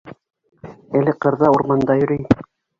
Әле ҡырҙа, урманда йөрөй.